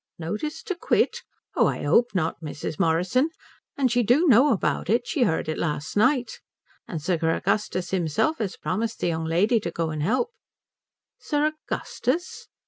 "Notice to quit? Oh I hope not, Mrs. Morrison. And she do know about it. She heard it last night. And Sir Augustus himself has promised the young lady to go and help." "Sir Augustus?"